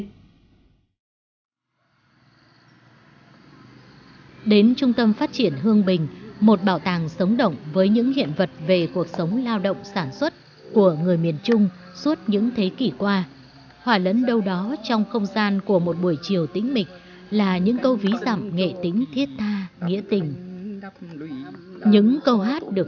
hà tĩnh nơi đã tái hiện thành công và sinh động cuộc sống phương thức lao động sản xuất sinh hoạt của người nông dân ở các tỉnh vùng bắc trung bộ thời xưa